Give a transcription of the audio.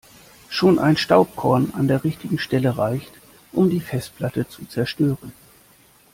Schon ein Staubkorn an der richtigen Stelle reicht, um die Festplatte zu zerstören.